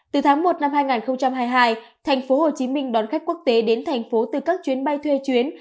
từ tháng một năm hai nghìn hai mươi hai thành phố hồ chí minh đón khách quốc tế đến thành phố từ các chuyến bay thuê chuyến